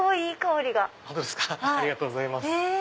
ありがとうございます。